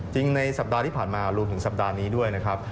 ในสัปดาห์ที่ผ่านมารวมถึงสัปดาห์นี้ด้วยนะครับ